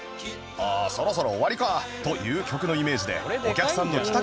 「ああそろそろ終わりか」という曲のイメージでお客さんの帰宅